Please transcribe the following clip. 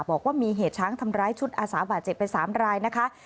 บอกว่ามีเหตุช้างทำร้ายชุดอาสาบาดเจ็บไป๓รายนะคะ